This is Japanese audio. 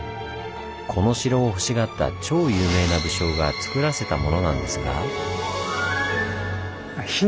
この城をほしがった超有名な武将がつくらせたものなんですが。